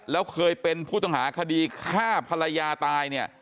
แล้วเคยเป็นผู้ต้องหาคดีฆ่าภรรยาตายเนี่ย